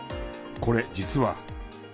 これ実は。